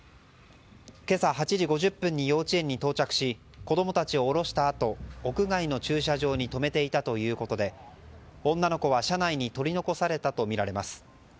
今朝８時５０分に幼稚園に到着し子供たちを降ろしたあと屋外の駐車場に止めていたということで女の子は車内に取り残されたとみられます。